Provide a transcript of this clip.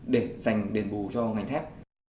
để dành đền bù cho ngành thép